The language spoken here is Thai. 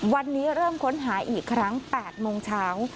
วันนี้เริ่มค้นหาอีกครั้ง๘โมงเช้า